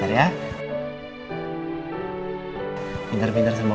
kamu kayaknya si oma pinter di tengah tangga